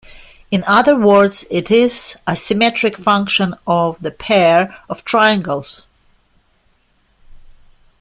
In other words, it is a symmetric function of the pair of triangles.